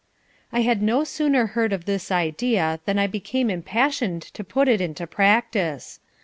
I had no sooner heard of this idea than I became impassioned to put it into practice.